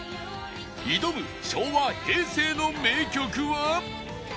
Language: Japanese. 挑む昭和・平成の名曲は